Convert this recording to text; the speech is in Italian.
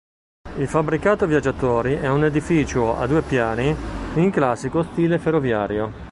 Il fabbricato viaggiatori è un edificio a due piani in classico stile ferroviario.